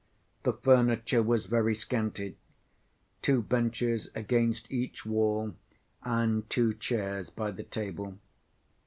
The furniture was very scanty: two benches against each wall and two chairs by the table.